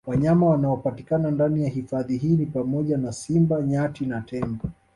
Wanyama wanaopatikana ndani ya hifadhi hii ni pamoja na Simba Nyati na Tembo